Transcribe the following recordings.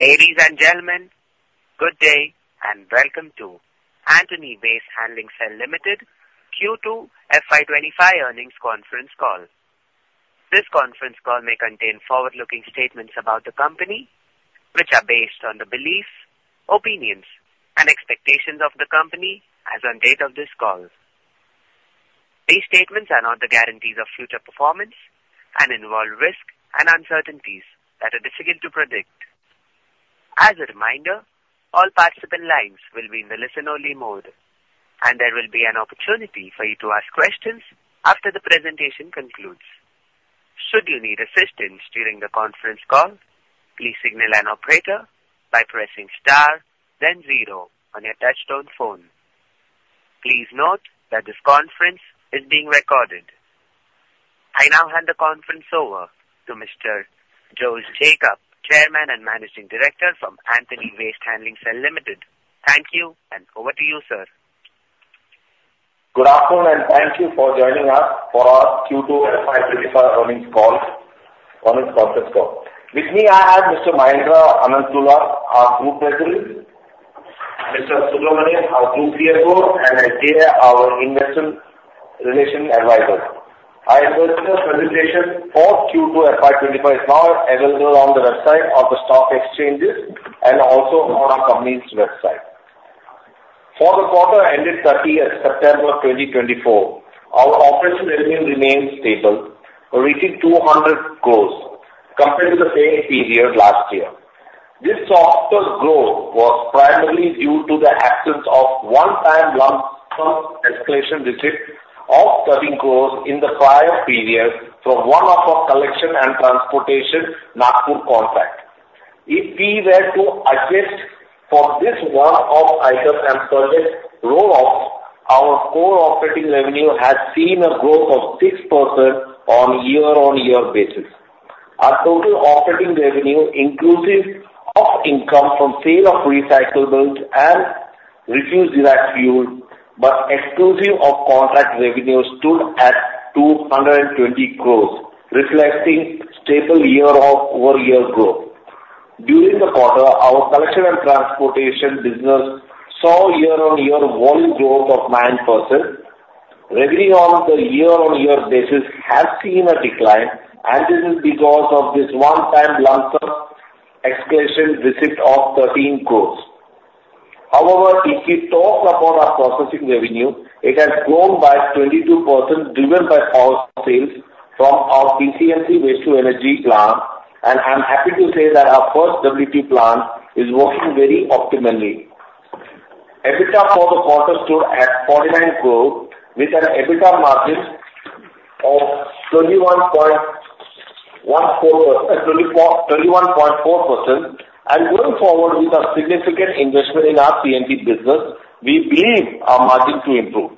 Ladies and gentlemen, good day and welcome to Antony Waste Handling Cell Limited Q2 FY 2025 earnings conference call. This conference call may contain forward-looking statements about the company, which are based on the beliefs, opinions, and expectations of the company as of the date of this call. These statements are not the guarantees of future performance and involve risks and uncertainties that are difficult to predict. As a reminder, all participant lines will be in the listen-only mode, and there will be an opportunity for you to ask questions after the presentation concludes. Should you need assistance during the conference call, please signal an operator by pressing star, then zero on your touch-tone phone. Please note that this conference is being recorded. I now hand the conference over to Mr. Jose Jacob, Chairman and Managing Director from Antony Waste Handling Cell Limited. Thank you, and over to you, sir. Good afternoon, and thank you for joining us for our Q2 FY 2025 earnings conference call. With me, I have Mr. Mahendra Ananthula, our Group President, Mr. Subramanian, our Group CFO, and Jigar, our Investment Relations Advisor. I invite you to the presentation. For Q2 FY 2025, it is now available on the website of the stock exchanges and also on our company's website. For the quarter ended 30th September 2024, our operating revenue remained stable, reaching 200 crores compared to the same period last year. This softer growth was primarily due to the absence of one-time lump sum escalation receipt of serving growth in the prior period from one-off of collection and transportation Nagpur contract. If we were to assess for this one-off item and project rolloff, our core operating revenue had seen a growth of 6% on a year-on-year basis. Our total operating revenue, inclusive of income from sale of recyclables and refuse-derived fuel, but exclusive of contract revenue, stood at 220 crores, reflecting stable year-over-year growth. During the quarter, our collection and transportation business saw year-on-year volume growth of 9%. Revenue on the year-on-year basis has seen a decline, and this is because of this one-time lump sum escalation receipt of 13 crores. However, if we talk about our processing revenue, it has grown by 22%, driven by power sales from our PCMC waste-to-energy plant, and I'm happy to say that our first WtE plant is working very optimally. EBITDA for the quarter stood at 49 crore, with an EBITDA margin of 21.4%. Going forward, with a significant investment in our C&T business, we believe our margin to improve.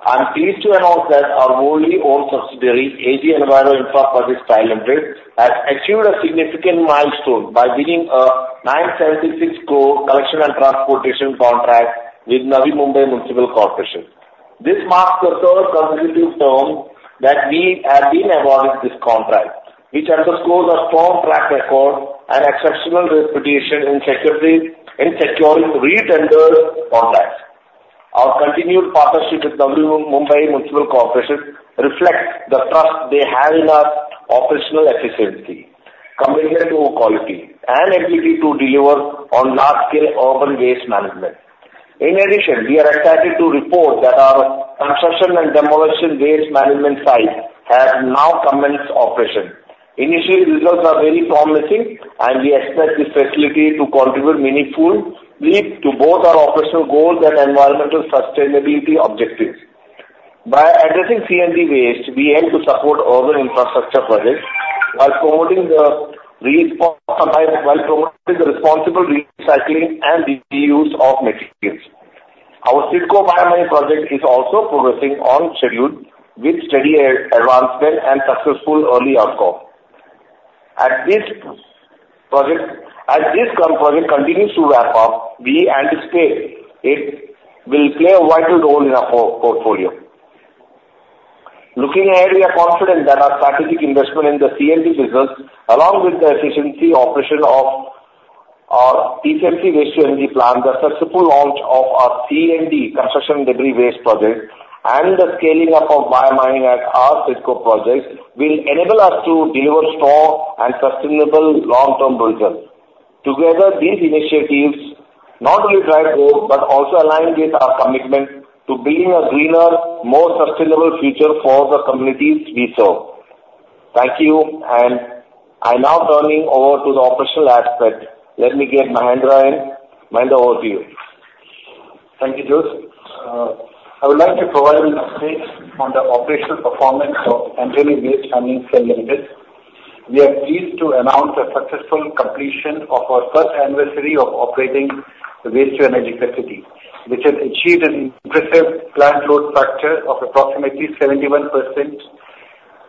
I'm pleased to announce that our wholly-owned subsidiary, AG Enviro Infra Projects Private Limited, has achieved a significant milestone by winning a 976 crore collection and transportation contract with Navi Mumbai Municipal Corporation. This marks the third consecutive term that we have been awarded this contract, which underscores our strong track record and exceptional reputation in securing re-tendered contracts. Our continued partnership with Navi Mumbai Municipal Corporation reflects the trust they have in our operational efficiency, commitment to quality, and ability to deliver on large-scale urban waste management. In addition, we are excited to report that our construction and demolition waste management site has now commenced operation. Initially, results are very promising, and we expect this facility to contribute meaningfully to both our operational goals and environmental sustainability objectives. By addressing C&D waste, we aim to support urban infrastructure projects while promoting the responsible recycling and reuse of materials. Our CIDCO biomining project is also progressing on schedule, with steady advancement and successful early outcomes. As this project continues to ramp up, we anticipate it will play a vital role in our portfolio. Looking ahead, we are confident that our strategic investment in the C&T business, along with the efficient operation of our PCMC waste-to-energy plant, the successful launch of our C&D construction and demolition waste project, and the scaling up of biomining at our CIDCO project will enable us to deliver strong and sustainable long-term results. Together, these initiatives not only drive growth but also align with our commitment to building a greener, more sustainable future for the communities we serve. Thank you, and I'm now turning over to the operational aspect. Let me get Mahendra in. Mahendra, over to you. Thank you, Jose. I would like to provide an update on the operational performance of Antony Waste Handling Cell Limited. We are pleased to announce the successful completion of our first anniversary of operating the waste-to-energy facility, which has achieved an impressive plant load factor of approximately 71%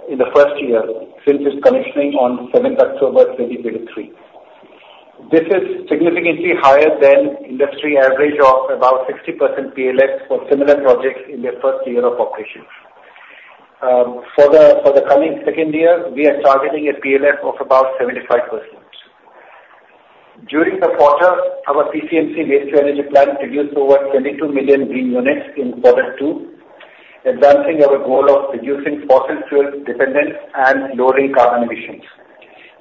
in the first year since its commissioning on 7th October 2023. This is significantly higher than the industry average of about 60% PLF for similar projects in the first year of operation. For the coming second year, we are targeting a PLF of about 75%. During the quarter, our PCMC waste-to-energy plant produced over 22 million green units in quarter two, advancing our goal of reducing fossil fuel dependence and lowering carbon emissions.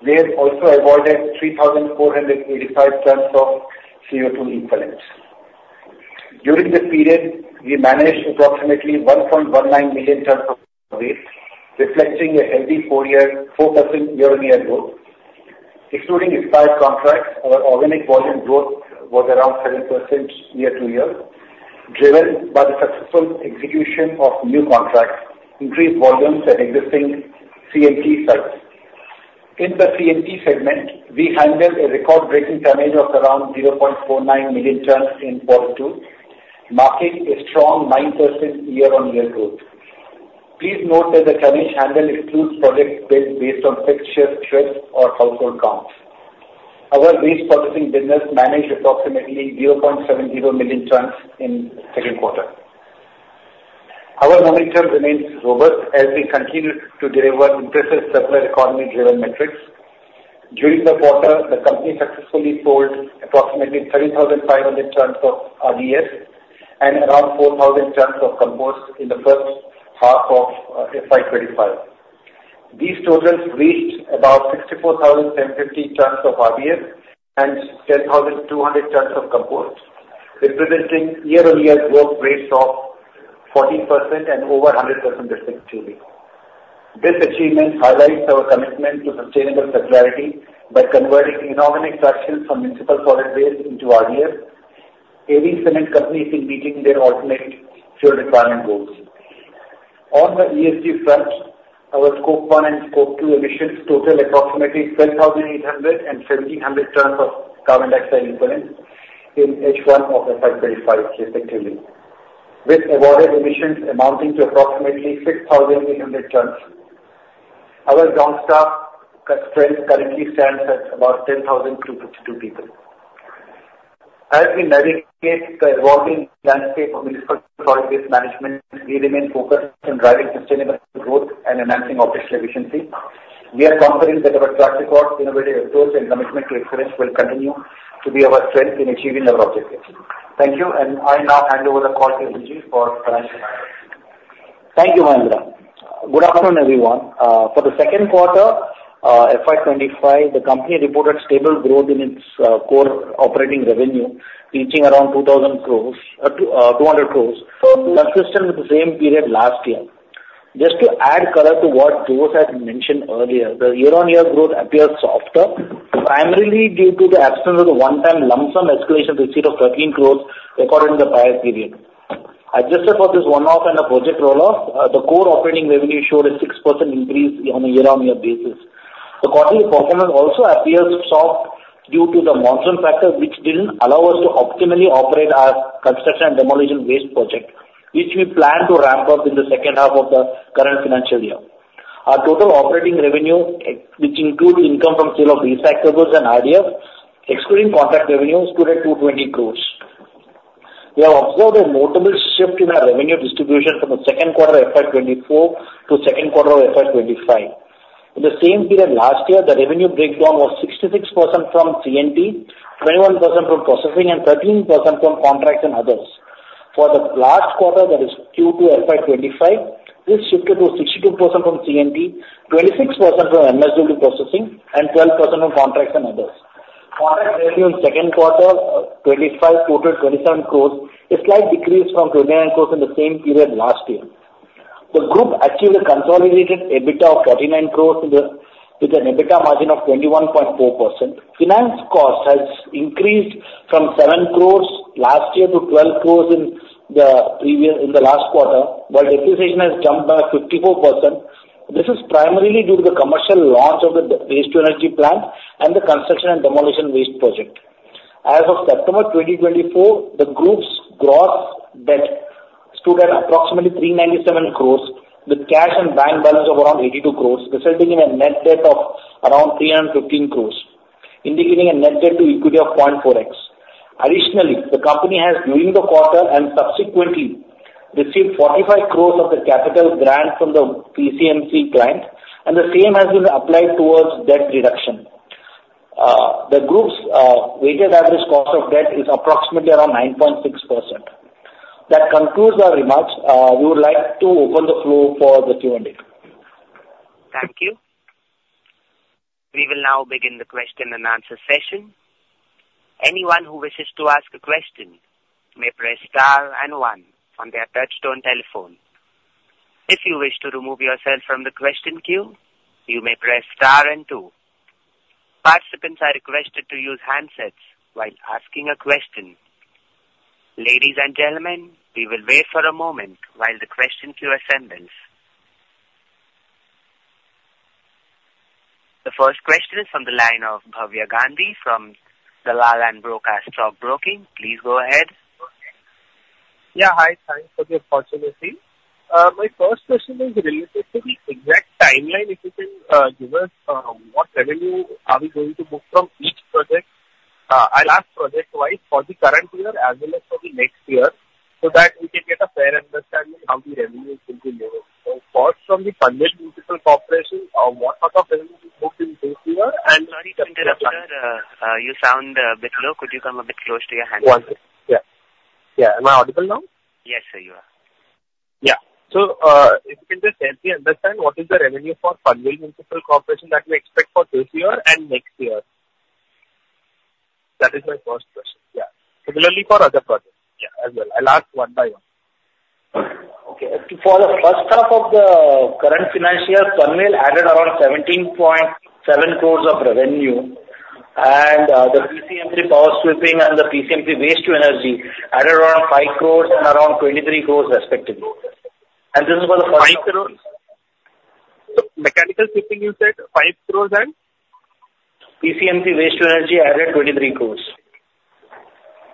We have also avoided 3,485 tons of CO2 equivalents. During this period, we managed approximately 1.19 million tons of waste, reflecting a healthy 4% year-on-year growth. Excluding expired contracts, our organic volume growth was around 7% year-to-year, driven by the successful execution of new contracts, increased volumes, and existing C&T sites. In the C&T segment, we handled a record-breaking tonnage of around 0.49 million tons in quarter two, marking a strong 9% year-on-year growth. Please note that the tonnage handled excludes projects built based on fixtures, trips, or household counts. Our waste-processing business managed approximately 0.70 million tons in the second quarter. Our moat remains robust as we continue to deliver impressive circular economy-driven metrics. During the quarter, the company successfully sold approximately 30,500 tons of RDF and around 4,000 tons of compost in the first half of FY 2025. These totals reached about 64,750 tons of RDF and 10,200 tons of compost, representing year-on-year growth rates of 14% and over 100% respectively. This achievement highlights our commitment to sustainable circularity by converting inorganic fractions from municipal solid waste into RDF, aiding cement companies in meeting their ultimate fuel requirement goals. On the ESG front, our Scope 1 and Scope 2 emissions total approximately 12,800 and 1,700 tons of carbon dioxide equivalents in H1 of FY 2025 respectively, with avoided emissions amounting to approximately 6,800 tons. Our ground staff strength currently stands at about 10,252 people. As we navigate the evolving landscape of municipal solid waste management, we remain focused on driving sustainable growth and enhancing operational efficiency. We are confident that our track record, innovative approach, and commitment to excellence will continue to be our strength in achieving our objectives. Thank you, and I now hand over the call to N.G. for financial analysis. Thank you, Mahendra. Good afternoon, everyone. For the second quarter of FY 2025, the company reported stable growth in its core operating revenue, reaching around 200 crores, consistent with the same period last year. Just to add color to what Jose had mentioned earlier, the year-on-year growth appears softer, primarily due to the absence of the one-time lump sum escalation receipt of 13 crores recorded in the prior period. Adjusted for this one-off and the project rolloff, the core operating revenue showed a 6% increase on a year-on-year basis. The quarterly performance also appears soft due to the monsoon factor, which didn't allow us to optimally operate our construction and demolition waste project, which we plan to ramp up in the second half of the current financial year. Our total operating revenue, which includes income from sale of recyclables and RDF, excluding contract revenue, stood at 220 crores. We have observed a notable shift in our revenue distribution from the second quarter of FY 2024 to the second quarter of FY 2025. In the same period last year, the revenue breakdown was 66% from C&T, 21% from processing, and 13% from contracts and others. For the last quarter that is Q2 FY 2025, this shifted to 62% from C&T, 26% from MSW processing, and 12% from contracts and others. Contract revenue in the second quarter of 2025 totaled 27 crores, a slight decrease from 29 crores in the same period last year. The group achieved a consolidated EBITDA of 49 crores with an EBITDA margin of 21.4%. Finance cost has increased from 7 crores last year to 12 crores in the last quarter, while depreciation has jumped by 54%. This is primarily due to the commercial launch of the waste-to-energy plant and the construction and demolition waste project. As of September 2024, the group's gross debt stood at approximately 397 crores, with cash and bank balance of around 82 crores, resulting in a net debt of around 315 crores, indicating a net debt-to-equity of 0.4x. Additionally, the company has, during the quarter and subsequently, received 45 crores of the capital grant from the PCMC client, and the same has been applied towards debt reduction. The group's weighted average cost of debt is approximately around 9.6%. That concludes our remarks. We would like to open the floor for the Q&A. Thank you. We will now begin the question and answer session. Anyone who wishes to ask a question may press star and one on their touch-tone telephone. If you wish to remove yourself from the question queue, you may press star and two. Participants are requested to use handsets while asking a question. Ladies and gentlemen, we will wait for a moment while the question queue assembles. The first question is from the line of Bhavya Gandhi from Dalal & Broacha Stock Broking. Please go ahead. Yeah, hi. Thanks for the opportunity. My first question is related to the exact timeline. If you can give us what revenue are we going to book from each project, I'll ask project-wise for the current year as well as for the next year so that we can get a fair understanding of how the revenues will be leveraged. So first, from the Panvel Municipal Corporation, what sort of revenue is booked in this year and the next year? Bhavya, you sound a bit low. Could you come a bit closer to your hands? Yeah. Am I audible now? Yes, sir, you are. Yeah. So if you can just help me understand, what is the revenue for Panvel Municipal Corporation that we expect for this year and next year? That is my first question. Yeah. Similarly for other projects as well. I'll ask one by one. Okay. For the first half of the current financial year, Panvel added around 17.7 crores of revenue, and the PCMC power sweeping and the PCMC waste-to-energy added around 5 crores and around 23 crores respectively. This is for the first year. 5 crores? Mechanical sweeping, you said, 5 crores and? PCMC Waste-to-Energy added 23 crores.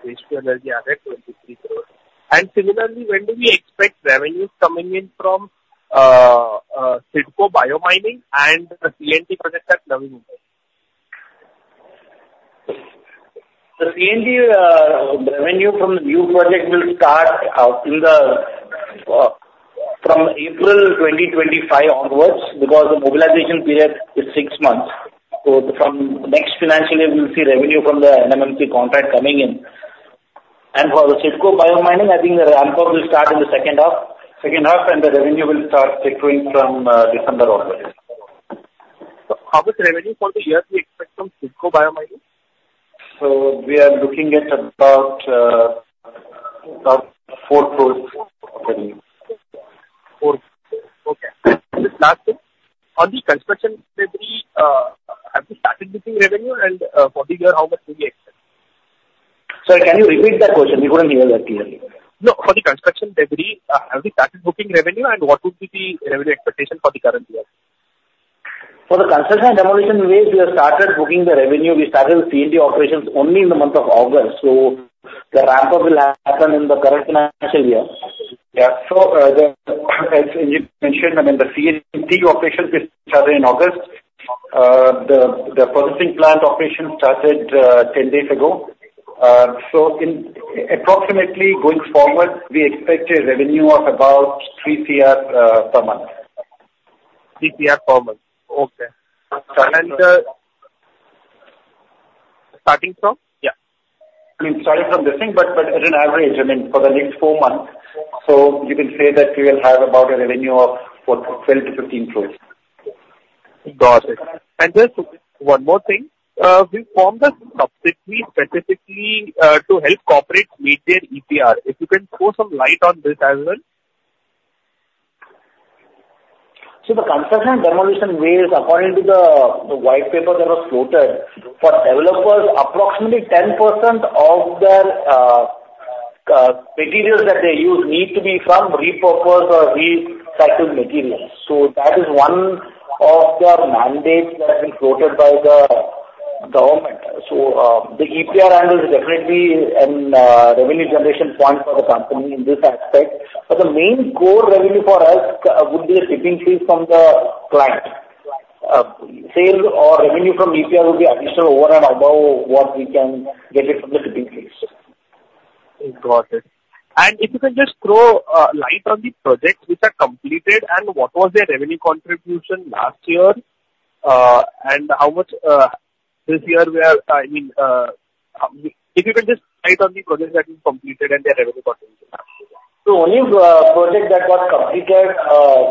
Waste-to-Energy added 23 crores. And similarly, when do we expect revenues coming in from CIDCO biomining and the C&T project at Navi Mumbai? The C&T revenue from the new project will start from April 2025 onwards because the mobilization period is six months, so from the next financial year, we'll see revenue from the NMMC contract coming in, and for the CIDCO biomining I think the ramp-up will start in the second half, and the revenue will start fluctuating from December onwards. How much revenue for the year do you expect from CIDCO biomining? We are looking at about 4 crores of revenue. 4 crores. Okay. Last thing, for the construction debris, have we started booking revenue, and for the year, how much do we expect? Sorry, can you repeat that question? We couldn't hear that clearly. No. For the construction debris, have we started booking revenue, and what would be the revenue expectation for the current year? For the construction and demolition waste, we have started booking the revenue. We started with C&T operations only in the month of August, so the ramp-up will happen in the current financial year. Yeah. So as you mentioned, I mean, the C&T operations started in August. The processing plant operations started 10 days ago. So approximately going forward, we expect a revenue of about 3 crore per month. 3 crore per month. Okay. Starting from? Yeah, I mean, starting from this thing, but as an average, I mean, for the next four months, so you can say that we will have about a revenue of 12 cores-INR 15 crores. Got it. And just one more thing. We formed a subsidiary specifically to help corporates meet their EPR. If you can throw some light on this as well. So the construction and demolition waste, according to the white paper that was quoted, for developers, approximately 10% of the materials that they use need to be from repurposed or recycled materials. So that is one of the mandates that has been quoted by the government. So the EPR is definitely a revenue generation point for the company in this aspect. But the main core revenue for us would be the tipping fees from the client. Sales or revenue from EPR would be additional over and above what we can get from the tipping fees. Got it. And if you can just throw light on the projects which are completed and what was their revenue contribution last year and how much this year we are, I mean, if you can just light on the projects that you completed and their revenue contribution? Only the project that was completed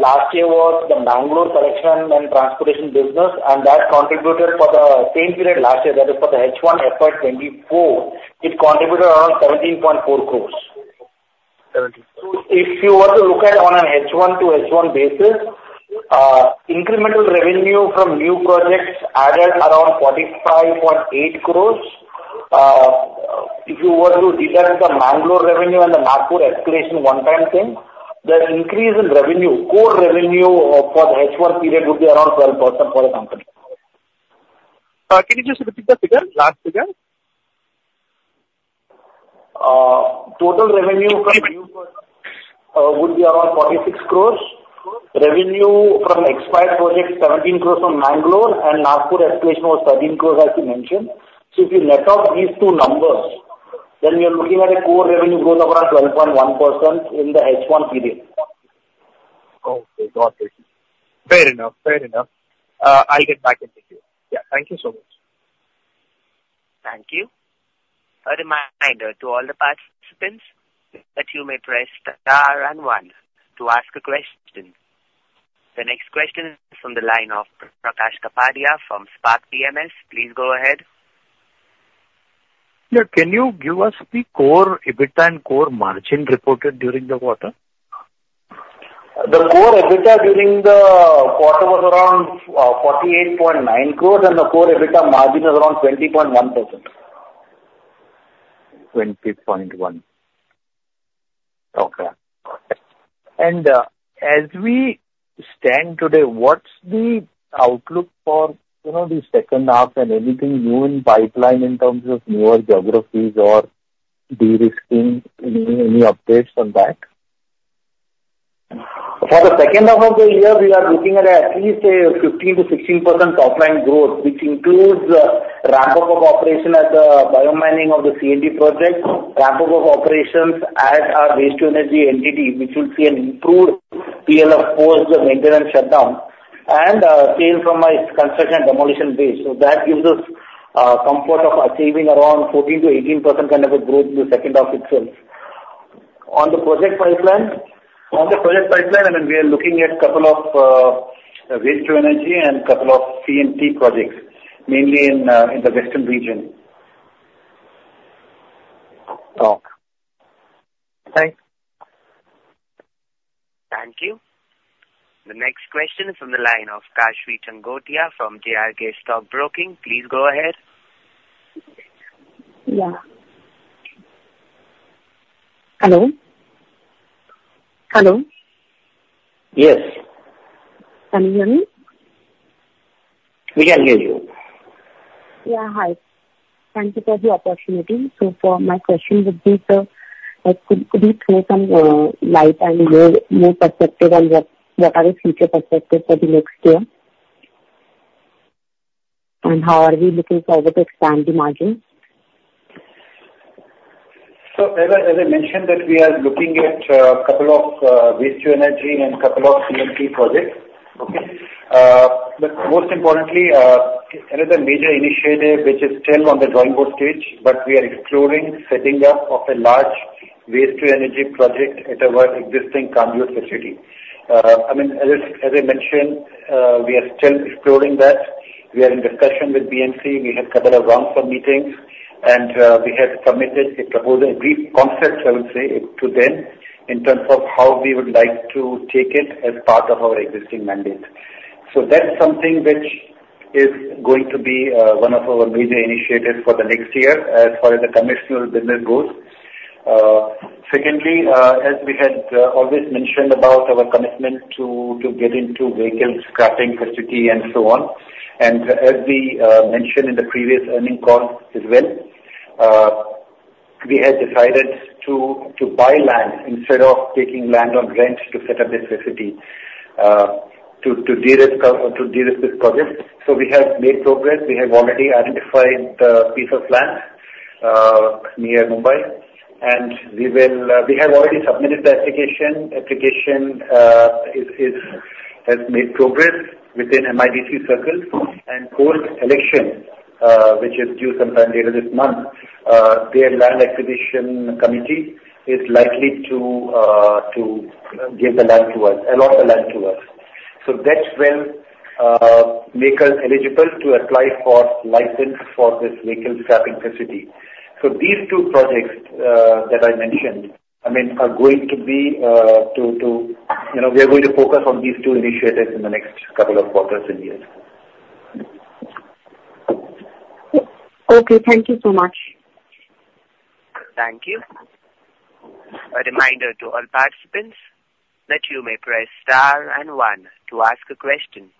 last year was the Bangalore Collection and Transportation Business, and that contributed for the same period last year, that is for the H1 FY 2024. It contributed around 17.4 crores. 17 crores. So if you were to look at it on an H1 to H1 basis, incremental revenue from new projects added around 45.8 crores. If you were to deduct the Bangalore revenue and the Nagpur escalation one-time thing, the increase in revenue, core revenue for the H1 period would be around 12% for the company. Can you just repeat the last figure? Total revenue from new projects would be around 46 crores. Revenue from expired projects, 17 crores from Bangalore, and Nagpur escalation was 13 crores, as you mentioned. So if you net up these two numbers, then we are looking at a core revenue growth of around 12.1% in the H1 period. Okay. Got it. Fair enough. Fair enough. I'll get back into it. Yeah. Thank you so much. Thank you. A reminder to all the participants that you may press star and one to ask a question. The next question is from the line of Prakash Kapadia from Spark PMS. Please go ahead. Yeah. Can you give us the core EBITDA and core margin reported during the quarter? The core EBITDA during the quarter was around 48.9 crores, and the core EBITDA margin is around 20.1%. Okay. And as we stand today, what's the outlook for the second half and anything new in pipeline in terms of newer geographies or derisking? Any updates on that? For the second half of the year, we are looking at least a 15%-16% top-line growth, which includes the ramp-up of operation at the biomining of the C&T project, ramp-up of operations at our waste-to-energy entity, which will see an improved PLF post the maintenance shutdown, and sales from a C&D base. So that gives us comfort of achieving around 14%-18% kind of a growth in the second half itself. On the project pipeline, I mean, we are looking at a couple of waste-to-energy and a couple of C&T projects, mainly in the western region. Okay. Thanks. Thank you. The next question is from the line of Kashvi Chandgothia from JRK Stock Broking. Please go ahead. Yeah. Hello. Hello? Yes. Can you hear me? We can hear you. Yeah. Hi. Thank you for the opportunity. So for my question would be to could you throw some light and more perspective on what are the future perspectives for the next year? And how are we looking forward to expand the margins? So as I mentioned, we are looking at a couple of waste-to-energy and a couple of C&T projects. Okay. But most importantly, another major initiative which is still on the drawing board stage, but we are exploring setting up a large waste-to-energy project at our existing Kanjurmarg facility. I mean, as I mentioned, we are still exploring that. We are in discussion with BMC. We have a couple of rounds of meetings, and we have submitted a proposal, a brief concept, I would say, to them in terms of how we would like to take it as part of our existing mandate. So that's something which is going to be one of our major initiatives for the next year as far as the conventional business goes. Secondly, as we had always mentioned about our commitment to get into vehicle scrapping facility and so on. As we mentioned in the previous earnings call as well, we had decided to buy land instead of taking land on rent to set up this facility to de-risk this project. We have made progress. We have already identified the piece of land near Mumbai, and we have already submitted the application. The application has made progress within MIDC circles. Post-election, which is due sometime later this month, their land acquisition committee is likely to give the land to us, allot the land to us. These two projects that I mentioned, I mean, are the two we are going to focus on, these two initiatives in the next couple of quarters and years. Okay. Thank you so much. Thank you. A reminder to all participants that you may press star and one to ask a question.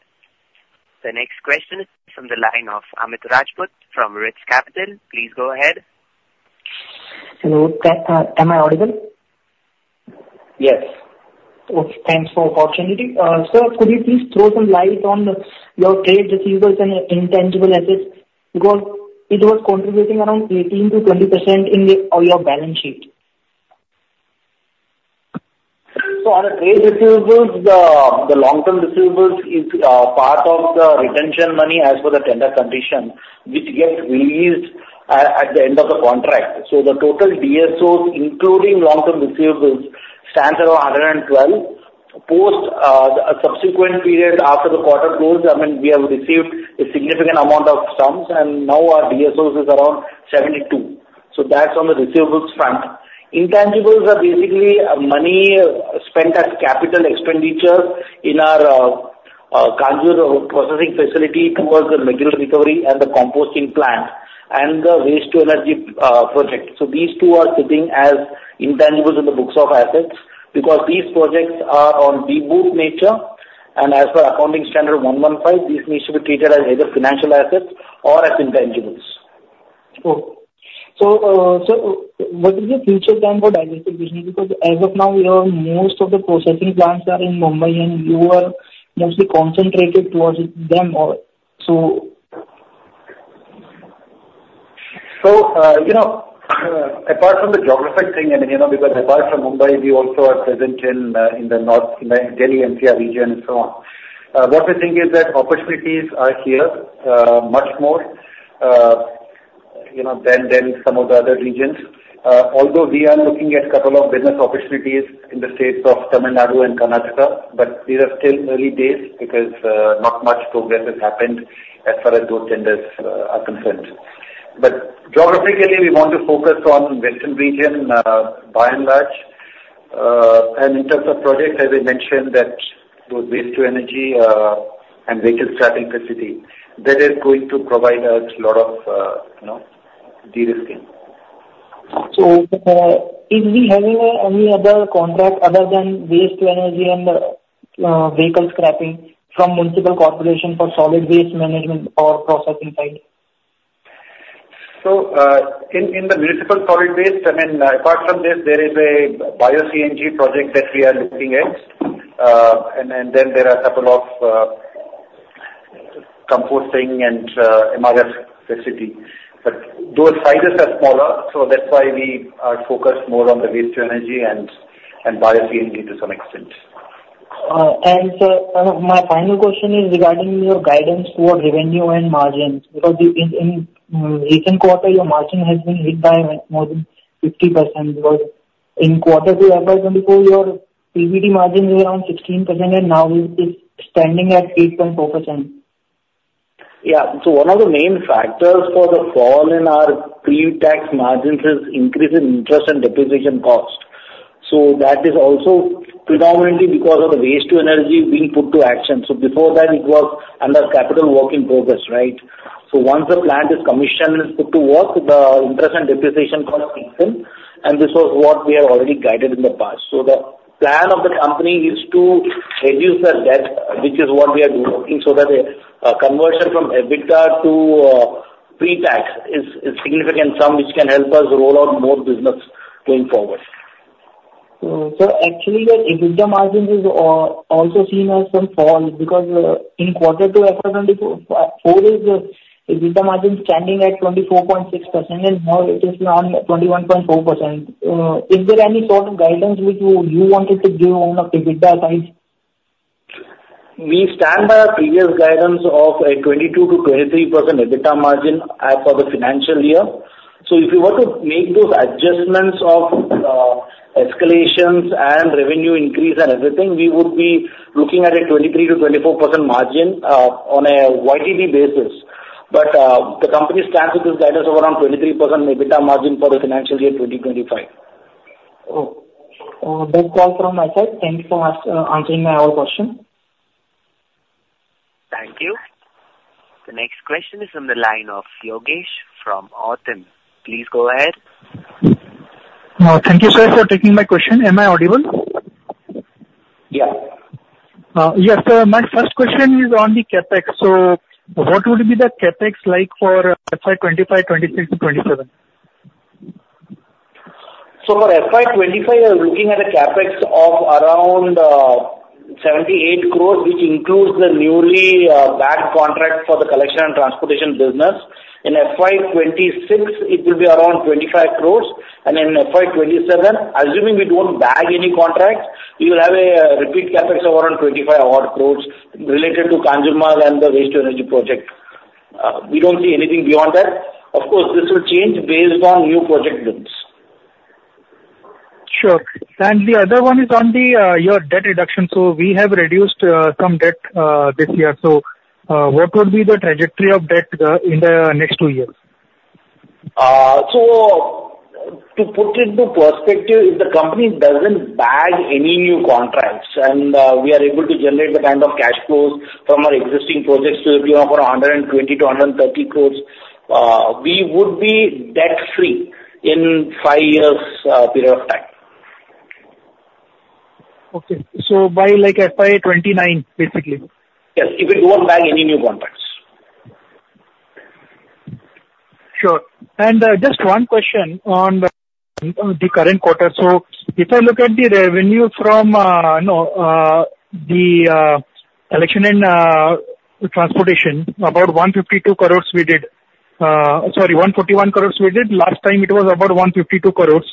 The next question is from the line of Amit Rajput from Rich Capital. Please go ahead. Hello. Am I audible? Yes. Thanks for the opportunity. Sir, could you please throw some light on your trade receivables and intangible assets? Because it was contributing around 18%-20% in your balance sheet. So on the trade receivables, the long-term receivables is part of the retention money as per the tender condition, which gets released at the end of the contract. So the total DSOs, including long-term receivables, stands at around 112. Post a subsequent period after the quarter closed, I mean, we have received a significant amount of sums, and now our DSOs is around 72. So that's on the receivables front. Intangibles are basically money spent as capital expenditures in our Kanjur processing facility towards the material recovery and the composting plant and the waste-to-energy project. So these two are sitting as intangibles in the books of assets because these projects are on DBOT nature. And as per Accounting Standard 115, these need to be treated as either financial assets or as intangibles. Okay. So what is your future plan for digestion business? Because as of now, most of the processing plants are in Mumbai, and you are mostly concentrated towards them. So. So apart from the geographic thing, I mean, because apart from Mumbai, we also are present in the Delhi NCR region and so on. What we think is that opportunities are here much more than some of the other regions. Although we are looking at a couple of business opportunities in the states of Tamil Nadu and Karnataka, but these are still early days because not much progress has happened as far as those tenders are concerned. But geographically, we want to focus on western region by and large. And in terms of projects, as I mentioned, that was waste-to-energy and vehicle scrapping facility. That is going to provide us a lot of de-risking. So is there any other contract other than waste-to-energy and vehicle scrapping from municipal corporation for solid waste management or processing side? So in the municipal solid waste, I mean, apart from this, there is a Bio-CNG project that we are looking at. And then there are a couple of composting and MRF facility. But those sizes are smaller, so that's why we are focused more on the waste-to-energy and Bio-CNG to some extent. Sir, my final question is regarding your guidance towards revenue and margins. Because in recent quarter, your margin has been hit by more than 50%. Because in quarter two FY 2024, your PBT margin was around 16%, and now it's standing at 8.4%. Yeah. So one of the main factors for the fall in our pre-tax margins is increase in interest and depreciation cost. So that is also predominantly because of the waste-to-energy being put to action. So before that, it was under capital work in progress, right? So once the plant is commissioned and put to work, the interest and depreciation cost kicks in. And this was what we had already guided in the past. So the plan of the company is to reduce the debt, which is what we are doing, so that the conversion from EBITDA to pre-tax is a significant sum, which can help us roll out more business going forward. So actually, the EBITDA margin is also seen as some fall because in quarter two FY 2024, EBITDA margin is standing at 24.6%, and now it is around 21.4%. Is there any sort of guidance which you wanted to give on the EBITDA side? We stand by our previous guidance of a 22%-23% EBITDA margin for the financial year. So if we were to make those adjustments of escalations and revenue increase and everything, we would be looking at a 23%-24% margin on a YTD basis. But the company stands with this guidance of around 23% EBITDA margin for the financial year 2025. Okay. That's all from my side. Thank you so much for answering my all questions. Thank you. The next question is from the line of Yogesh from Eaton. Please go ahead. Thank you, sir, for taking my question. Am I audible? Yeah. Yes, sir. My first question is on the CapEx. So what would be the CapEx like for FY 2025, 2026, and 2027? For FY 2025, we're looking at a CapEx of around 78 crores, which includes the newly bagged contract for the collection and transportation business. In FY 2026, it will be around 25 crores. And in FY 2027, assuming we don't bag any contracts, we will have a repeat CapEx of around 25-odd crores related to Kanjurmarg and the waste-to-energy project. We don't see anything beyond that. Of course, this will change based on new project loops. Sure. And the other one is on your debt reduction. So we have reduced some debt this year. So what would be the trajectory of debt in the next two years? To put it into perspective, if the company doesn't bag any new contracts and we are able to generate the kind of cash flows from our existing projects to around 120 crores-130 crores, we would be debt-free in a five-year period of time. Okay. So by FY 2029, basically? Yes. If we don't bag any new contracts. Sure. And just one question on the current quarter. So if I look at the revenue from the collection and transportation, about 152 crores we did. Sorry, 141 crores we did. Last time, it was about 152 crores.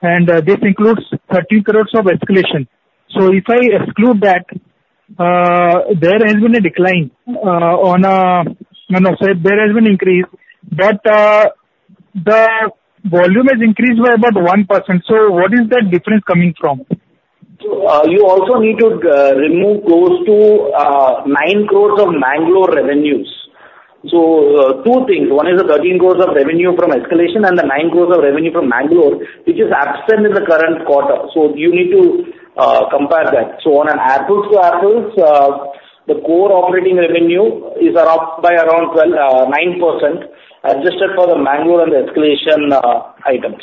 And this includes 13 crores of escalation. So if I exclude that, there has been a decline. No, no, sir. There has been an increase. But the volume has increased by about 1%. So what is that difference coming from? You also need to remove close to 9 crores of Mangaluru revenues. So two things. One is the 13 crores of revenue from escalation and the nine crores of revenue from Mangaluru, which is absent in the current quarter. So you need to compare that. So on an apples to apples, the core operating revenue is up by around 9%, adjusted for the Mangaluru and the escalation items.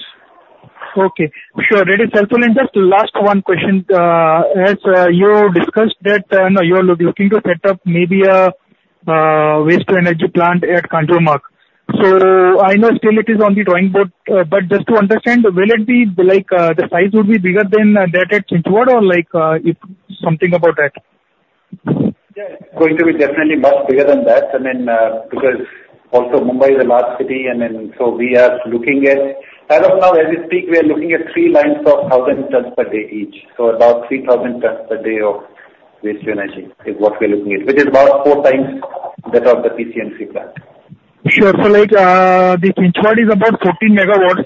Okay. Sure. That is helpful. And just last one question. As you discussed that you are looking to set up maybe a waste-to-energy plant at Kanjurmarg. So I know still it is on the drawing board. But just to understand, will it be the size would be bigger than that at Chinchwad or something about that? Yeah. It's going to be definitely much bigger than that. I mean, because also Mumbai is a large city. I mean, so we are looking at as of now, as we speak, we are looking at three lines of 1,000 tons per day each. So about 3,000 tons per day of waste-to-energy is what we are looking at, which is about four times that of the PCMC plant. Sure. So Chinchwad is about 14 MW.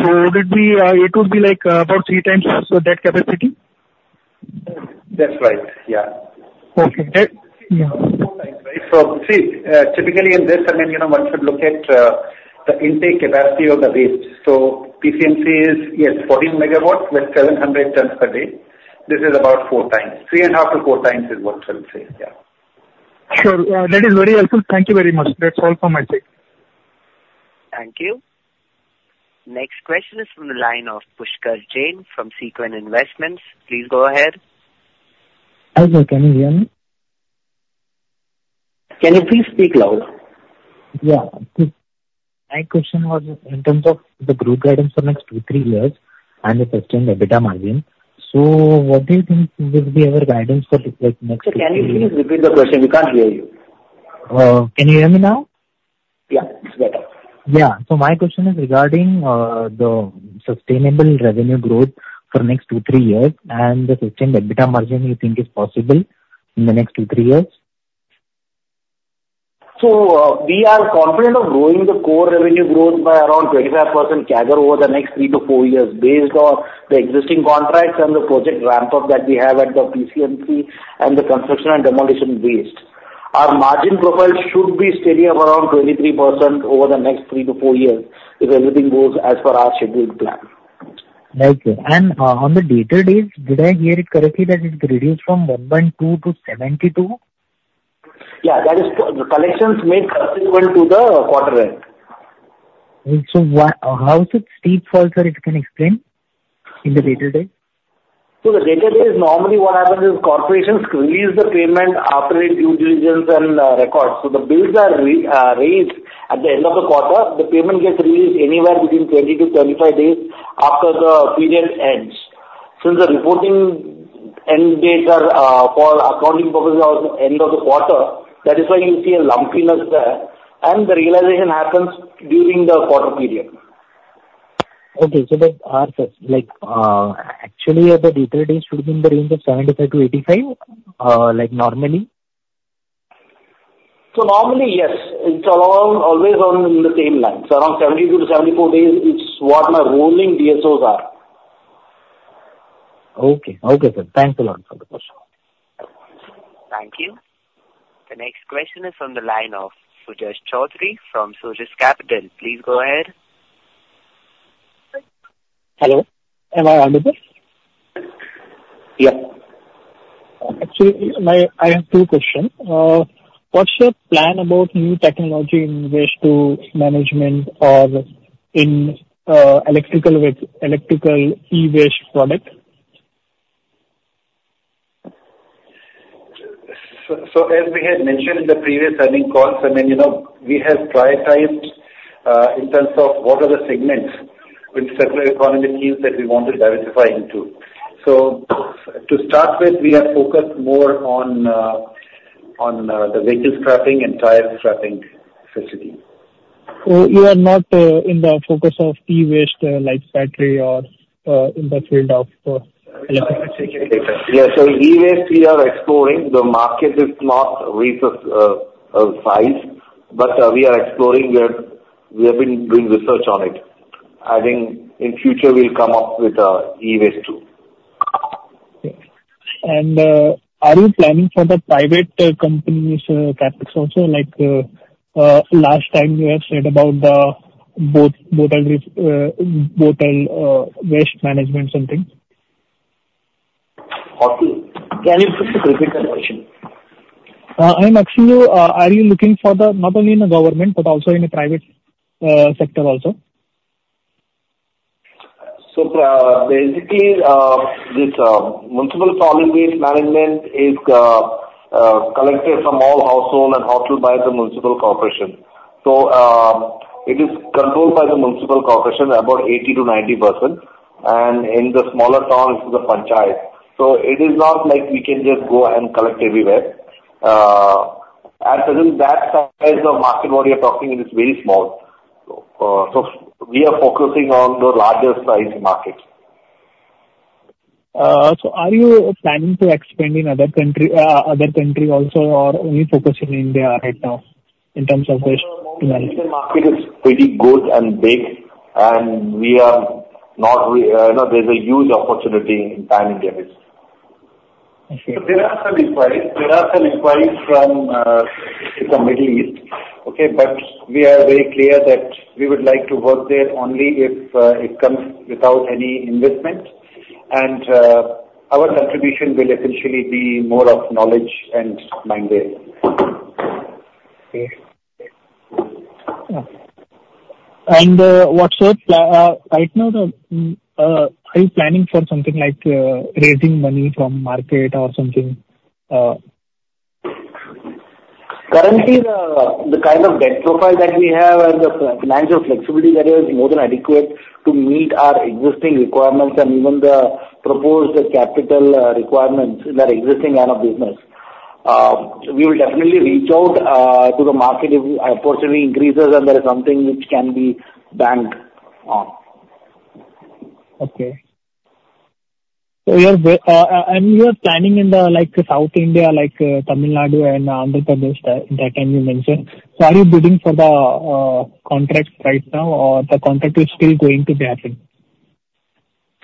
So it would be about three times that capacity? That's right. Yeah. Okay. Yeah. Four times, right? So see, typically in this, I mean, one should look at the intake capacity of the waste. So PCMC is, yes, 14 MW with 700 tons per day. This is about four times. Three and a half to four times is what we'll say. Yeah. Sure. That is very helpful. Thank you very much. That's all from my side. Thank you. Next question is from the line of Pushkar Jain from Sequent Investments. Please go ahead. Hi, sir. Can you hear me? Can you please speak louder? Yeah. My question was in terms of the growth guidance for next two, three years and the sustained EBITDA margin. So what do you think will be our guidance for next two years? Can you please repeat the question? We can't hear you. Can you hear me now? Yeah. It's better. Yeah. So my question is regarding the sustainable revenue growth for next two, three years and the sustained EBITDA margin you think is possible in the next two, three years? We are confident of growing the core revenue growth by around 25% CAGR over the next three to four years based on the existing contracts and the project ramp-up that we have at the PCMC and the construction and demolition waste. Our margin profile should be steady of around 23% over the next three to four years if everything goes as per our scheduled plan. Thank you. And on the DSO, did I hear it correctly that it reduced from 112 to 72? Yeah. The collections made subsequent to the quarter end. How is it steep, sir? If you can explain in the details? The DSO days, normally what happens is corporations release the payment after due diligence and records. The bills are raised at the end of the quarter. The payment gets released anywhere between 20-35 days after the period ends. Since the reporting end dates are for accounting purposes of the end of the quarter, that is why you see a lumpiness there. The realization happens during the quarter period. Okay, so actually, the DSO days should be in the range of 75-85 normally? So normally, yes. It's always on the same line. So around 72-74 days is what my rolling DSOs are. Okay. Okay, sir. Thanks a lot for the question. Thank you. The next question is from the line of Sujash Choudhury from Suyash Capital. Please go ahead. Hello. Am I audible? Yeah. Actually, I have two questions. What's your plan about new technology in waste management or in electrical e-waste products? So as we had mentioned in the previous earnings calls, I mean, we have prioritized in terms of what are the segments in circular economy themes that we want to diversify into. So to start with, we have focused more on the vehicle scrapping and tire scrapping facility. So you are not in the focus of e-waste like battery or in the field of electricity? Yeah. So e-waste, we are exploring. The market is not really sized, but we are exploring. We have been doing research on it. I think in future, we'll come up with e-waste too. Okay, and are you planning for the private companies' CapEx also? Last time, you have said about the bottle waste management something. Can you please repeat that question? I'm asking you, are you looking not only in the government, but also in the private sector? So basically, this municipal solid waste management is collected from all households and also by the municipal corporation. So it is controlled by the municipal corporation about 80%-90%. And in the smaller towns, it's the franchise. So it is not like we can just go and collect everywhere. At present, that size of market we are talking is very small. So we are focusing on the larger size market. So are you planning to expand in other countries also or only focus in India right now in terms of waste management? The waste management market is pretty good and big. We are not there. There's a huge opportunity in Thailand. There is. Okay. So there are some inquiries. There are some inquiries from the Middle East. Okay. But we are very clear that we would like to work there only if it comes without any investment. And our contribution will essentially be more of knowledge and mind game. Okay. And what, sir? Right now, are you planning for something like raising money from market or something? Currently, the kind of debt profile that we have and the financial flexibility that is more than adequate to meet our existing requirements and even the proposed capital requirements in our existing line of business. We will definitely reach out to the market if the opportunity increases and there is something which can be banked on. Okay, and you are planning in South India, like Tamil Nadu and Andhra Pradesh, that you mentioned. So are you bidding for the contracts right now, or the contract is still going to be happening?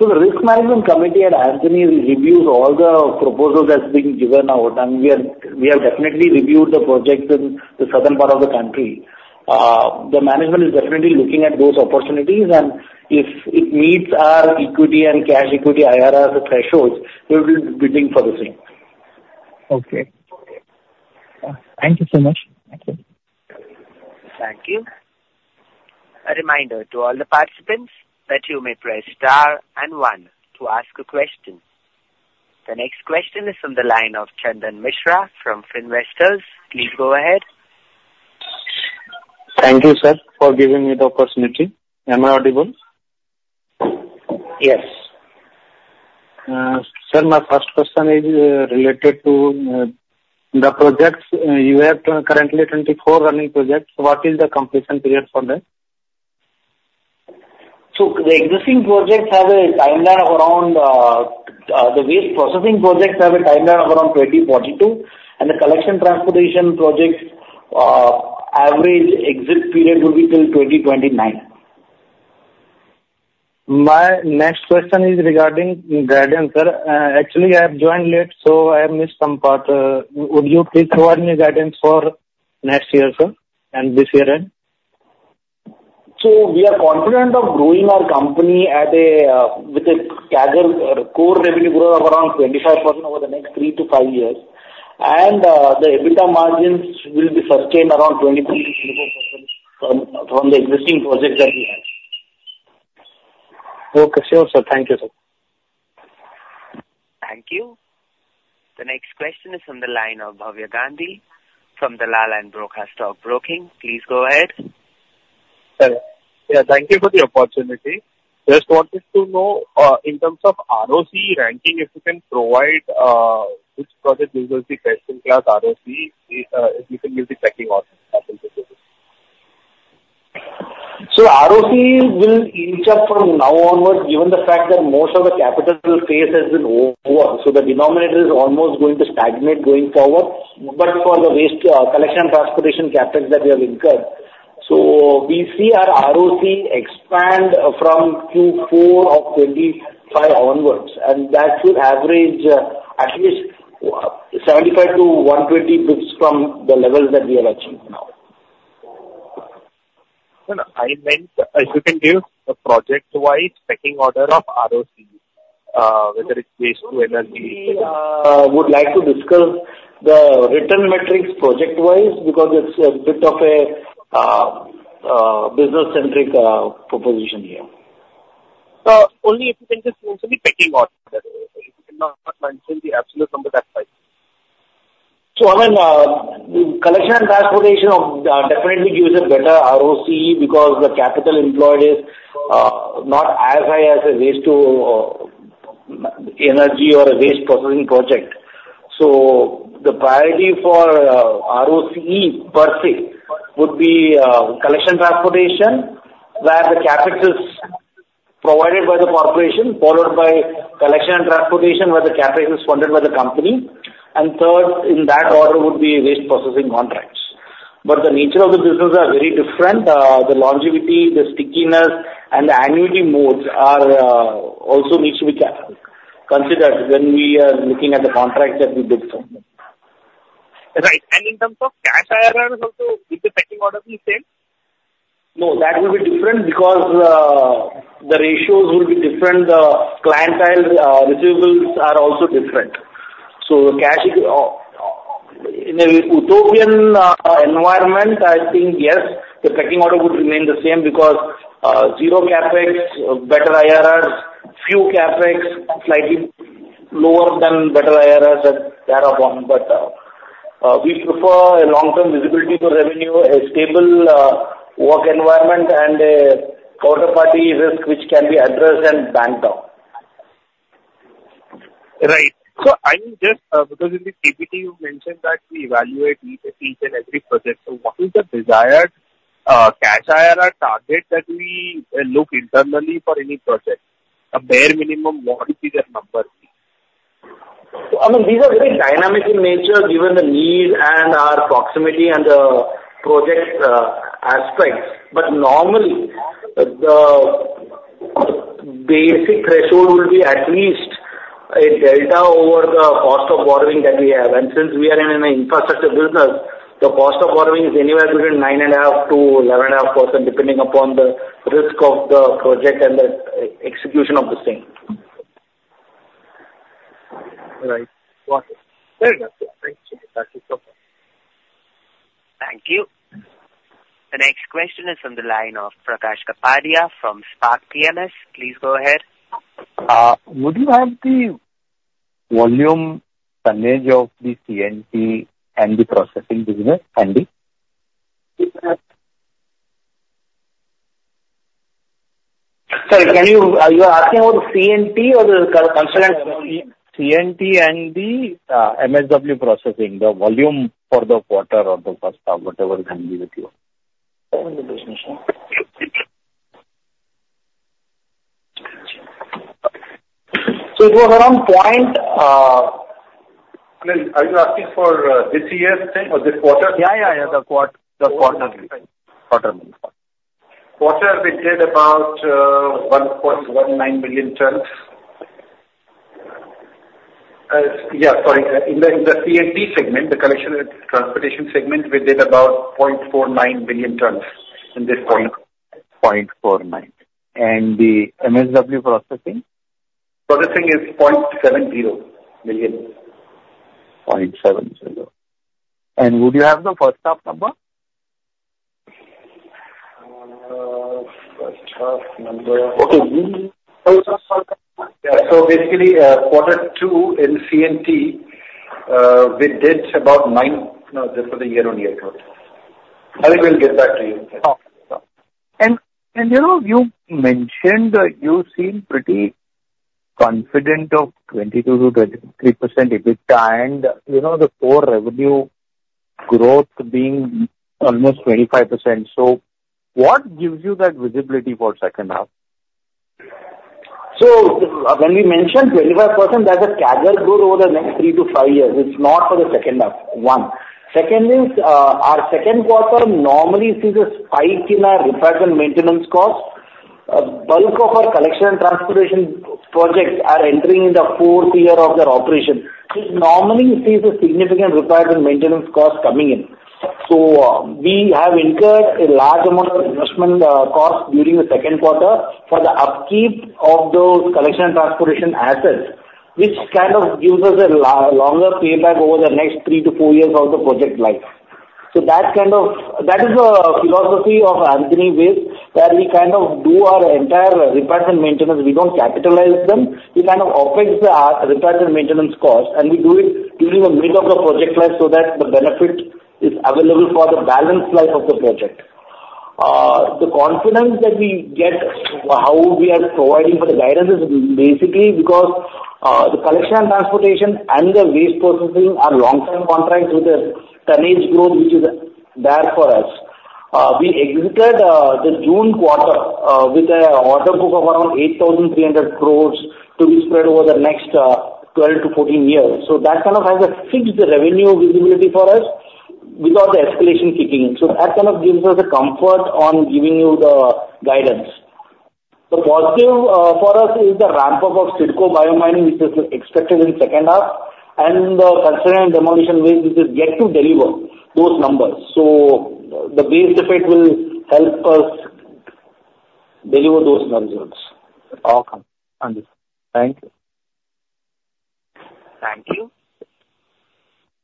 So the risk management committee at Antony's reviews all the proposals that have been given over time. We have definitely reviewed the projects in the southern part of the country. The management is definitely looking at those opportunities. And if it meets our equity and cash equity IRR thresholds, we will be bidding for the same. Okay. Thank you so much. Thank you. A reminder to all the participants that you may press star and one to ask a question. The next question is from the line of Chandan Mishra from Finvestors. Please go ahead. Thank you, sir, for giving me the opportunity. Am I audible? Yes. Sir, my first question is related to the projects. You have currently 24 running projects. What is the completion period for them? The waste processing projects have a timeline of around 2042. The collection transportation project's average exit period will be till 2029. My next question is regarding guidance, sir. Actually, I have joined late, so I have missed some part. Would you please provide me guidance for next year, sir, and this year end? So we are confident of growing our company with a core revenue growth of around 25% over the next three to five years. And the EBITDA margins will be sustained around 23%-24% from the existing projects that we have. Okay. Sure, sir. Thank you, sir. Thank you. The next question is from the line of Bhavya Gandhi from Dalal & Broacha Stock Broking. Please go ahead. Yeah. Thank you for the opportunity. Just wanted to know in terms of ROC ranking, if you can provide which project uses the best-in-class ROC, if you can give the checking on that. So ROC will ease up from now onward, given the fact that most of the capital phase has been over. So the denominator is almost going to stagnate going forward. But for the waste collection and transportation CapEx that we have incurred, so we see our ROC expand from Q4 of 2025 onwards. And that should average at least 75-120 basis points from the levels that we have achieved now. I meant, if you can give a project-wise pecking order of ROC, whether it's waste-to-energy? We would like to discuss the return metrics project-wise because it's a bit of a business-centric proposition here. Only if you can just give me the pecking order. If you cannot mention the absolute number, that's fine. So I mean, collection and transportation definitely gives a better ROC because the capital employed is not as high as a waste-to-energy or a waste-processing project. So the priority for ROC per se would be collection transportation, where the CapEx is provided by the corporation, followed by collection and transportation, where the CapEx is funded by the company. And third in that order would be waste-processing contracts. But the nature of the business is very different. The longevity, the stickiness, and the annuity modes also need to be considered when we are looking at the contract that we bid for. Right. And in terms of cash IRR, also with the pecking order, it's the same? No, that will be different because the ratios will be different. The clientele receivables are also different. So in a utopian environment, I think yes, the pecking order would remain the same because zero CapEx, better IRRs, low CapEx, slightly lower than better IRRs thereupon. But we prefer a long-term visibility for revenue, a stable work environment, and a counterparty risk which can be addressed and banked out. Right. So I mean, just because in the, you mentioned that we evaluate each and every project. So what is the desired cash IRR target that we look internally for any project? A bare minimum, what would be the number? So I mean, these are very dynamic in nature given the need and our proximity and the project aspects. But normally, the basic threshold will be at least a delta over the cost of borrowing that we have. And since we are in an infrastructure business, the cost of borrowing is anywhere between 9.5%-11.5%, depending upon the risk of the project and the execution of the same. Right. Thank you. Thank you. The next question is from the line of Prakash Kapadia from Spark PMS. Please go ahead. Would you have the volume percentage of the C&T and the processing business? Sorry, are you asking about the C&T or the consolidation? C&T and the MSW processing, the volume for the quarter or the first half, whatever can be with you. It was around. I mean, are you asking for this year's thing or this quarter? Yeah, yeah, yeah. The quarterly. Quarterly. Quarter, we did about 1.19 million tons. Yeah. Sorry. In the C&T segment, the collection and transportation segment, we did about 0.49 million tons in this quarter. The MSW processing? Processing is 0.70 million. And would you have the first half number? First half number. Yeah. So basically, quarter two in C&T, we did about nine. No, this was a year-on-year growth. I will get back to you. You mentioned that you seem pretty confident of 22%-23% EBITDA and the core revenue growth being almost 25%. What gives you that visibility for second half? So when we mentioned 25%, that's a CAGR over the next three to five years. It's not for the second half. One. Second is, our second quarter normally sees a spike in our repairs and maintenance costs. A bulk of our collection and transportation projects are entering in the fourth year of their operation. So it normally sees a significant repairs and maintenance cost coming in. So we have incurred a large amount of investment costs during the second quarter for the upkeep of those collection and transportation assets, which kind of gives us a longer payback over the next three to four years of the project life. So that kind of is the philosophy of Antony Waste, where we kind of do our entire repairs and maintenance. We don't capitalize them. We kind of affect the repairs and maintenance costs. We do it during the middle of the project life so that the benefit is available for the balanced life of the project. The confidence that we get how we are providing for the guidance is basically because the collection and transportation and the waste processing are long-term contracts with a tonnage growth which is there for us. We exited the June quarter with an order book of around 8,300 crores to be spread over the next 12-14 years. That kind of has a huge revenue visibility for us without the escalation kicking. That kind of gives us a comfort on giving you the guidance. The positive for us is the ramp-up of CIDCO Biomining which is expected in second half. The concerning demolition waste which is yet to deliver those numbers. The base effect will help us deliver those numbers. Okay. Thank you. Thank you.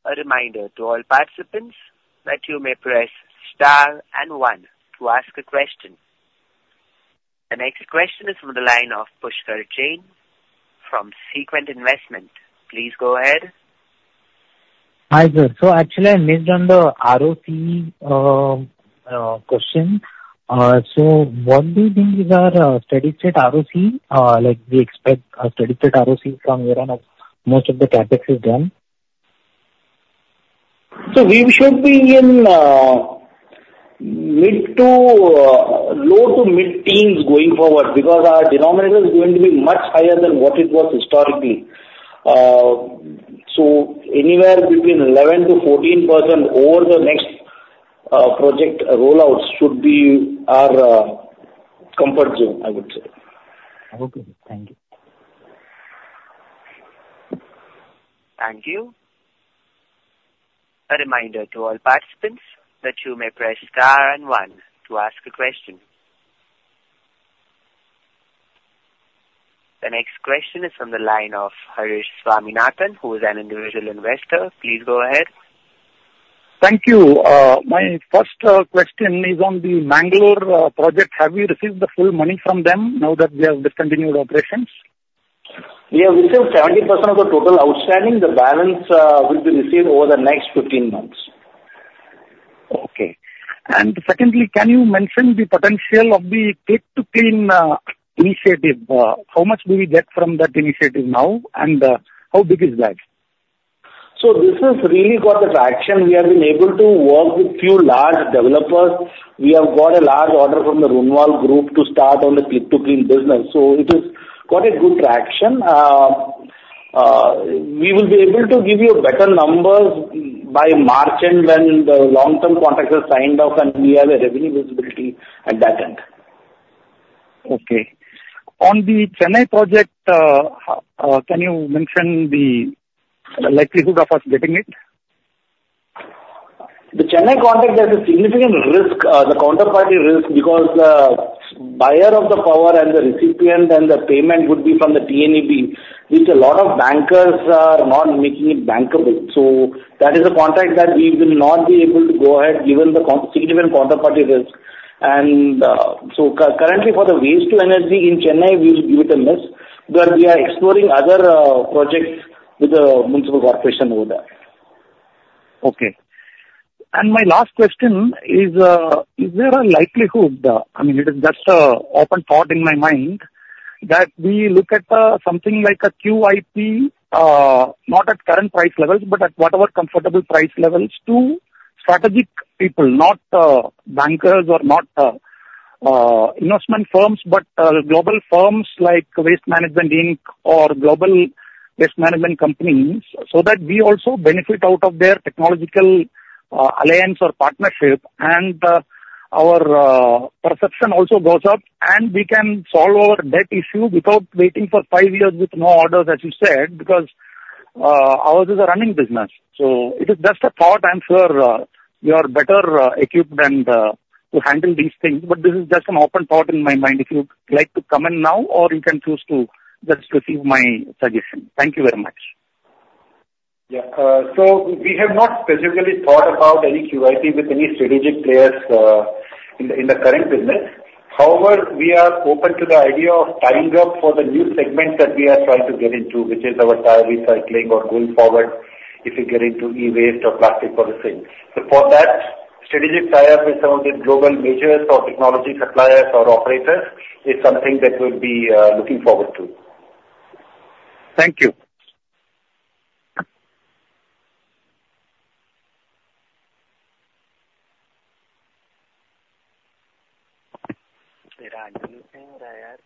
A reminder to all participants that you may press star and one to ask a question. The next question is from the line of Pushkar Jain from Sequent Investments. Please go ahead. Hi sir. So actually, I missed on the ROC question. So what do you think is our steady-state ROC? We expect a steady-state ROC from where most of the CapEx is done. So we should be in mid to low to mid-teens going forward because our denominator is going to be much higher than what it was historically. So anywhere between 11%-14% over the next project rollouts should be our comfort zone, I would say. Okay. Thank you. Thank you. A reminder to all participants that you may press star and one to ask a question. The next question is from the line of Haresh Swaminathan, who is an individual investor. Please go ahead. Thank you. My first question is on the Mangaluru project. Have we received the full money from them now that we have discontinued operations? We have received 70% of the total outstanding. The balance will be received over the next 15 months. Okay. And secondly, can you mention the potential of the Click-to-Clean initiative? How much do we get from that initiative now? And how big is that? So this has really got the traction. We have been able to work with a few large developers. We have got a large order from the Runwal Group to start on the Click-to-Clean business. So it has got a good traction. We will be able to give you better numbers by March end when the long-term contracts are signed off and we have a revenue visibility at that end. Okay. On the Chennai project, can you mention the likelihood of us getting it? The Chennai contract has a significant risk, the counterparty risk, because the buyer of the power and the recipient and the payment would be from the TNEB, which a lot of bankers are not making it bankable, so that is a contract that we will not be able to go ahead given the significant counterparty risk, and so currently, for the waste-to-energy in Chennai, we will give it a miss, but we are exploring other projects with the municipal corporation over there. Okay. And my last question is, is there a likelihood, I mean, that's an open thought in my mind, that we look at something like a QIP, not at current price levels, but at whatever comfortable price levels, to strategic people, not bankers or not investment firms, but global firms like Waste Management, Inc. or global waste management companies, so that we also benefit out of their technological alliance or partnership. And our perception also goes up, and we can solve our debt issue without waiting for five years with no orders, as you said, because ours is a running business. So it is just a thought. I'm sure you are better equipped to handle these things. But this is just an open thought in my mind. If you'd like to comment now, or you can choose to just receive my suggestion. Thank you very much. Yeah. So we have not specifically thought about any QIP with any strategic players in the current business. However, we are open to the idea of tying up for the new segment that we are trying to get into, which is our tire recycling or going forward if you get into e-waste or plastic processing. So for that, strategic tie-up with some of the global majors or technology suppliers or operators is something that we'll be looking forward to. Thank you.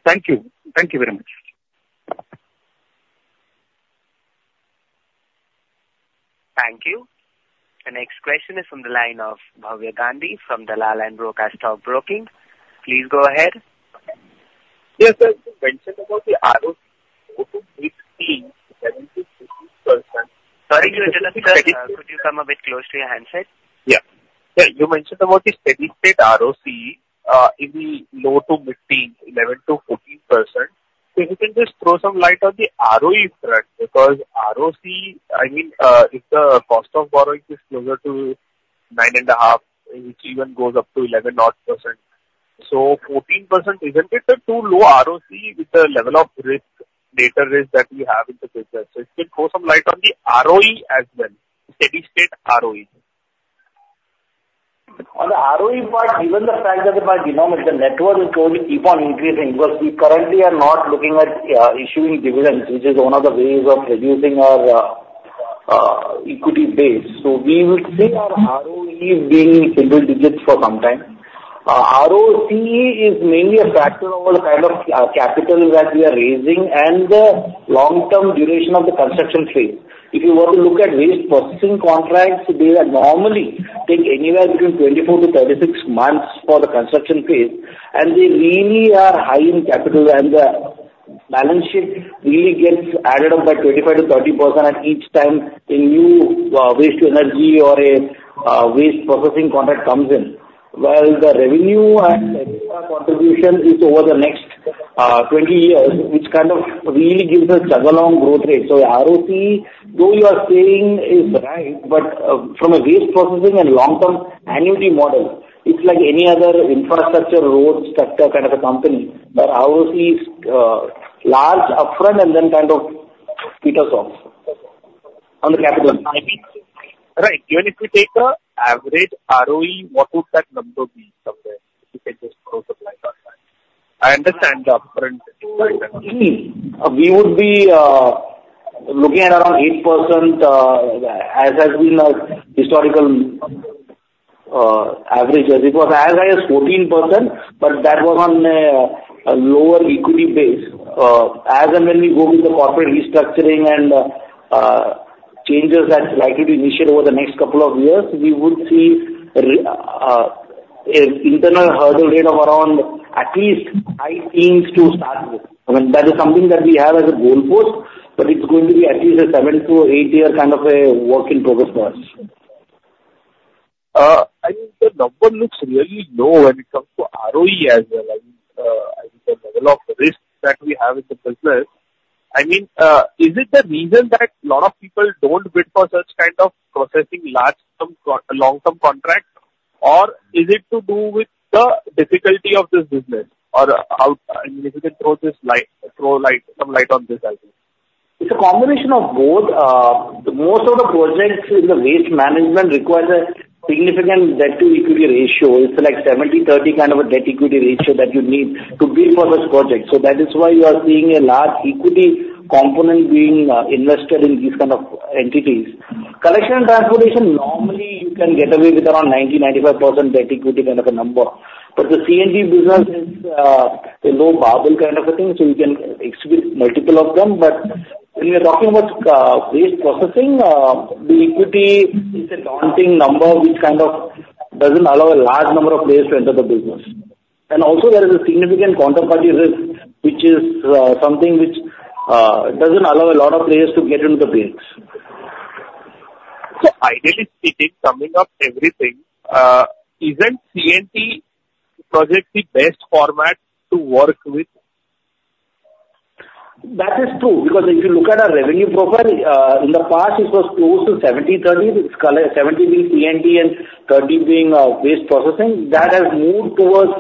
Thank you. Thank you very much. Thank you. The next question is from the line of Bhavya Gandhi from Dalal & Broacha Stock Broking. Please go ahead. Yes, sir. You mentioned about the ROC, Sorry, could you come a bit closer to your handset? Yeah. Yeah. You mentioned about the steady-state ROC, in the low to mid-teens, 11%-14%. So if you can just throw some light on the ROE front, because ROC, I mean, if the cost of borrowing is closer to 9.5%, which even goes up to 11.0%. So 14%, isn't it a too low ROC with the level of risk, debt risk that we have in the business? So if you can throw some light on the ROE as well, steady-state ROE. On the ROE part, given the fact that my denominator is going to keep on increasing because we currently are not looking at issuing dividends, which is one of the ways of reducing our equity base. So we will see our ROE being single digits for some time. ROC is mainly a factor of the kind of capital that we are raising and the long-term duration of the construction phase. If you were to look at waste processing contracts, they normally take anywhere between 24-36 months for the construction phase. And they really are high in capital, and the balance sheet really gets added up by 25%-30% each time a new waste-to-energy or a waste processing contract comes in. Well, the revenue and the extra contribution is over the next 20 years, which kind of really gives a tag-along growth rate. So, ROC, though you are saying is right, but from a waste processing and long-term annuity model, it's like any other infrastructure road sector kind of a company. But ROC is large upfront and then kind of petered off on the capital. Right. Even if we take the average ROE, what would that number be somewhere if you can just throw some light on that? I understand the upfront. We would be looking at around 8%, as has been a historical average. It was as high as 14%, but that was on a lower equity base. As and when we go with the corporate restructuring and changes that likely to initiate over the next couple of years, we would see an internal hurdle rate of around at least high teens to start with. I mean, that is something that we have as a goal post, but it's going to be at least a seven to eight-year kind of a work in progress for us. I mean, the number looks really low when it comes to ROE as well. I mean, the level of risk that we have in the business, I mean, is it the reason that a lot of people don't bid for such kind of processing long-term contracts, or is it to do with the difficulty of this business? Or I mean, if you can throw some light on this, I think. It's a combination of both. Most of the projects in the waste management require a significant debt-to-equity ratio. It's like 70/30 kind of a debt-equity ratio that you need to bid for this project. So that is why you are seeing a large equity component being invested in these kind of entities. Collection and transportation, normally you can get away with around 90%-95% debt-equity kind of a number. But the C&T business is a low-barrier kind of a thing, so you can exhibit multiple of them. But when we are talking about waste processing, the equity is a daunting number, which kind of doesn't allow a large number of players to enter the business. And also, there is a significant counterparty risk, which is something which doesn't allow a lot of players to get into the business. So ideally, it is coming up everything. Isn't C&T project the best format to work with? That is true because if you look at our revenue profile, in the past, it was close to 70/30, 70% being C&T and 30% being waste processing. That has moved towards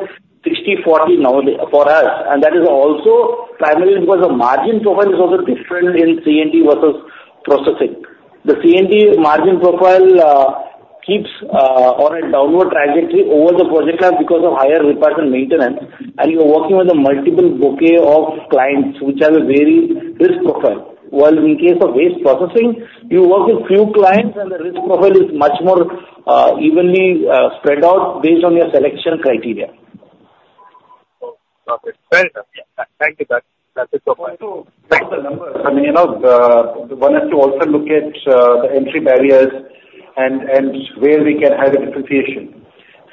60/40 now for us. And that is also primarily because the margin profile is also different in C&T versus processing. The C&T margin profile keeps on a downward trajectory over the project line because of higher repairs and maintenance. And you're working with a multiple bouquet of clients, which have a very risk profile. While in the case of waste processing, you work with few clients, and the risk profile is much more evenly spread out based on your selection criteria. Okay. Thank you. Thank you. That's it so far. I mean, one has to also look at the entry barriers and where we can have a differentiation.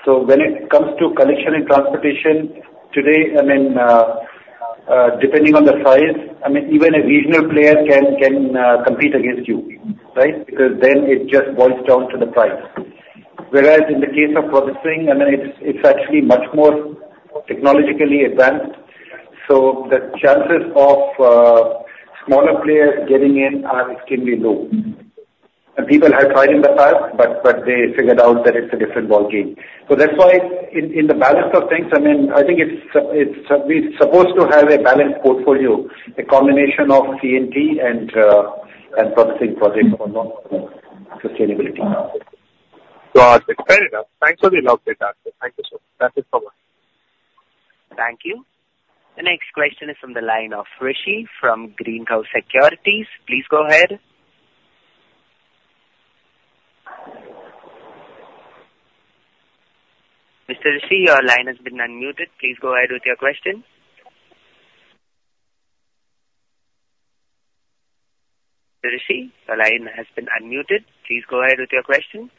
So when it comes to collection and transportation today, I mean, depending on the size, I mean, even a regional player can compete against you, right? Because then it just boils down to the price. Whereas in the case of processing, I mean, it's actually much more technologically advanced. So the chances of smaller players getting in are extremely low. And people have tried in the past, but they figured out that it's a different ballgame. So that's why in the balance of things, I mean, I think we're supposed to have a balanced portfolio, a combination of C&T and processing projects for sustainability. Got it. Fair enough. Thanks for the elaborate answer. Thank you, sir. That's it so far. Thank you. The next question is from the line of Rishi from Greenco Securities. Please go ahead. Mr. Rishi, your line has been unmuted. Please go ahead with your question. Mr. Rishi, the line has been unmuted. Please go ahead with your question.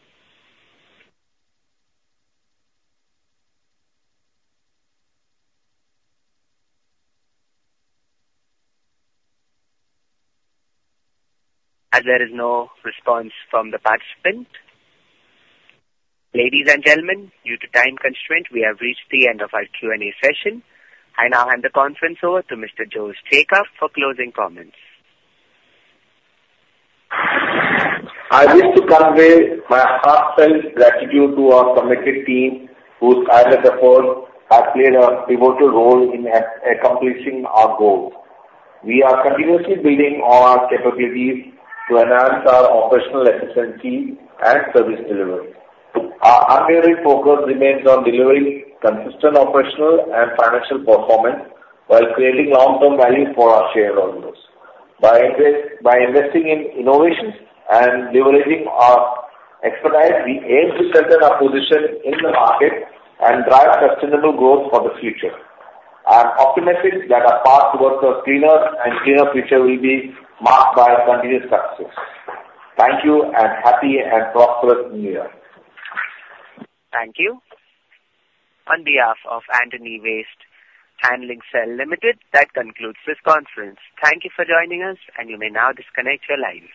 As there is no response from the participants, ladies and gentlemen, due to time constraints, we have reached the end of our Q&A session. I now hand the conference over to Mr. Jose Jacob for closing comments. I wish to convey my heartfelt gratitude to our committed team whose kind efforts have played a pivotal role in accomplishing our goals. We are continuously building on our capabilities to enhance our operational efficiency and service delivery. Our unwavering focus remains on delivering consistent operational and financial performance while creating long-term value for our shareholders. By investing in innovations and leveraging our expertise, we aim to strengthen our position in the market and drive sustainable growth for the future. I'm optimistic that our path towards a cleaner and cleaner future will be marked by continuous success. Thank you, and happy and prosperous New Year. Thank you. On behalf of Antony Waste Handling Cell Limited, that concludes this conference. Thank you for joining us, and you may now disconnect your lines.